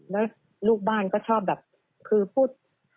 แล้วลูกบ้านก็ชอบแบบคือพูด